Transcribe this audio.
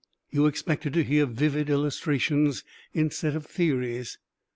You expected to hear vivid illustrations instead of theories.